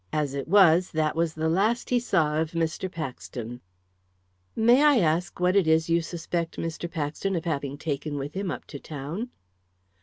As it was, that was the last he saw of Mr. Paxton." "May I ask what it is you suspect Mr. Paxton of having taken with him up to town?"